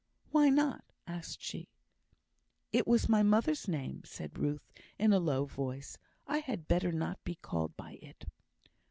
"Why not?" asked she. "It was my mother's name," said Ruth, in a low voice. "I had better not be called by it."